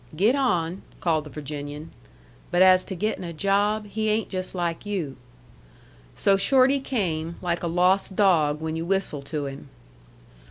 "Get on," called the Virginian. "But as to getting a job, he ain't just like you." So Shorty came, like a lost dog when you whistle to him.